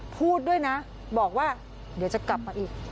พูดด้วยนะบอกว่าเดี๋ยวจะกลับมาอีก